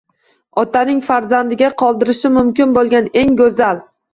Otaning farzandiga qoldirishi mumkin bo'lgan eng go'zal